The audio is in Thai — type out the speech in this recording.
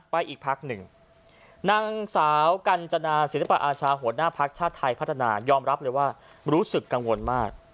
อีกพักหนึ่งนางสาวกัญจนาศิลปะอาชาหัวหน้าภักดิ์ชาติไทยพัฒนายอมรับเลยว่ารู้สึกกังวลมาก